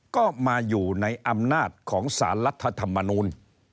ก็มาอยู่ในอำนาจของสารรัฐธรรมนูล